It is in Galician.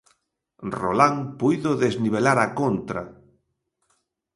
Rolan puido desnivelar á contra.